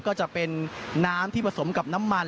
ก็จะเป็นน้ำที่ผสมกับน้ำมัน